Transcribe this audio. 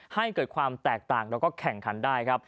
ให้เกิดความแตกต่างแล้วก็แข่งขันได้ครับ